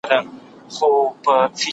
انټرنیټ زده کړه له انزوا څخه باسي.